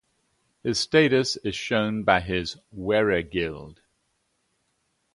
His status is shown by his "weregild".